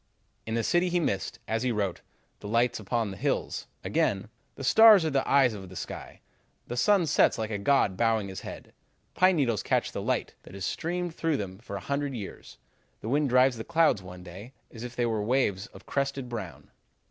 "In the city he missed, as he wrote, 'the light upon the hills.' Again, 'The stars are the eyes of the sky. The sun sets like a god bowing his head. Pine needles catch the light that has streamed through them for a hundred years. The wind drives the clouds one day as if they were waves of crested brown.'